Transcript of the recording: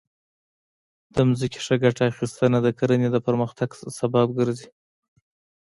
د ځمکې ښه ګټه اخیستنه د کرنې د پرمختګ سبب ګرځي.